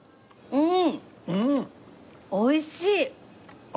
うん。